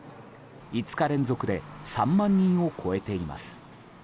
５日連続で３万人を超えています。